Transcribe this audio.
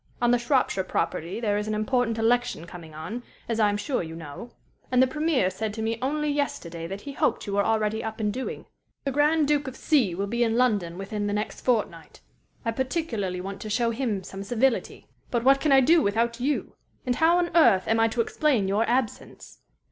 On the Shropshire property there is an important election coming on, as I am sure you know; and the Premier said to me only yesterday that he hoped you were already up and doing. The Grand Duke of C will be in London within the next fortnight. I particularly want to show him some civility. But what can I do without you and how on earth am I to explain your absence?